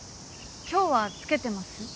今日はつけてます？